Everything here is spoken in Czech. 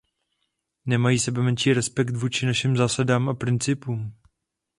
Nemají sebemenší respekt vůči našim zásadám a principům.